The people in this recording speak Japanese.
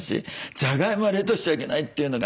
じゃがいもは冷凍しちゃいけないというのが。